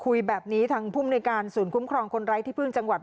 คุยแบบนี้ทางภูมิในการศูนย์คุ้มครองคนไร้ที่พึ่งจังหวัด